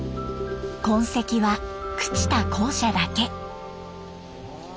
痕跡は朽ちた校舎だけ。